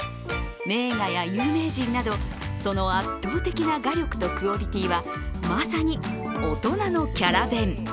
名画や有名人などその圧倒的な画力とクオリティーはまさに大人のキャラ弁。